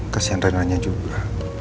kasian renanya juga